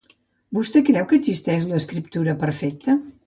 Vostè creu que existeix l'escriptura perfecta?